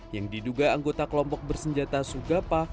yang diduga anggota kelompok bersenjata sugapa